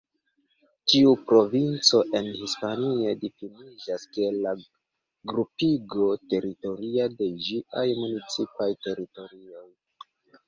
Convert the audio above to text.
Ĉiu provinco en Hispanio difiniĝas kiel la grupigo teritoria de ĝiaj municipaj teritorioj.